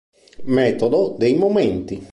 Metodo dei momenti